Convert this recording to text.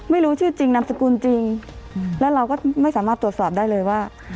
ไม่รู้ชื่อจริงนามสกุลจริงแล้วเราก็ไม่สามารถตรวจสอบได้เลยว่า